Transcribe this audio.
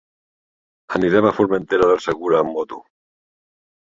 Anirem a Formentera del Segura amb moto.